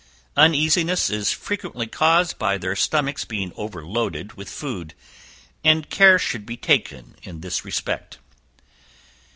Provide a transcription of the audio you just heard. Uneasiness is frequently caused by their stomachs being overloaded with food, and care should be taken in this respect.